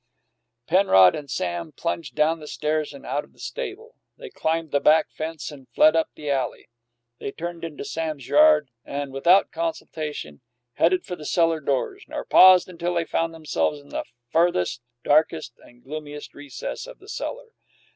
Penrod and Sam plunged down the stairs and out of the stable. They climbed the back fence and fled up the alley. They turned into Sam's yard, and, without consultation, headed for the cellar doors, nor paused till they found themselves in the farthest, darkest, and gloomiest recess of the cellar.